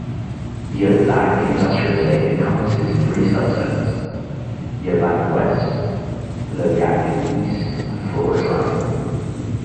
Loyang Industrial Estate encompasses of three subzones, Loyang West, Loyang East and Flora Drive.